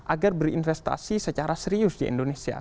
agar berinvestasi secara serius di indonesia